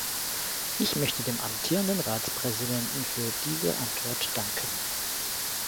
Ich möchte dem amtierenden Ratspräsidenten für diese Antwort danken.